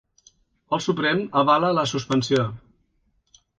El Suprem avala la suspensió